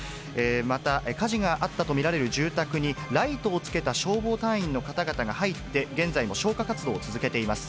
また、火事があったと見られる住宅に、ライトをつけた消防隊員の方々が入って、現在も消火活動を続けています。